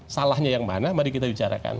salahnya yang mana mari kita bicarakan